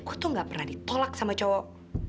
gue tuh nggak pernah ditolak sama cowok